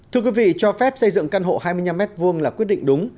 thưa quý vị cho phép xây dựng căn hộ hai mươi năm m hai là quyết định đúng